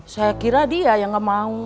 saya kira dia yang gak mau